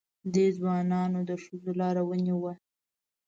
دې ځوانانو د ښځو لاره ونیوه.